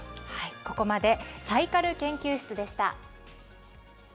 ここまでサイカル研究室でした。